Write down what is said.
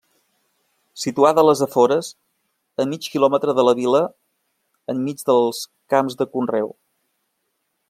Situada les afores, a mig kilòmetre de la vila enmig dels camps de conreu.